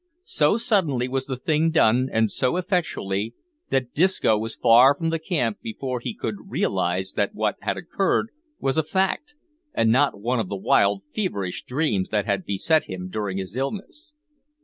So suddenly was the thing done, and so effectually, that Disco was far from the camp before he could realise that what had occurred was a fact, and not one of the wild feverish dreams that had beset him during his illness.